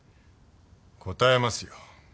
答えますよ。